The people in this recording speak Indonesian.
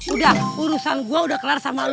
udah urusan gue udah kelar sama lo